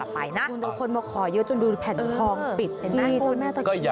เพลงอะไรนะ